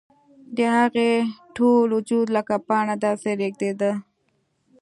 د هغې ټول وجود لکه پاڼه داسې رېږدېده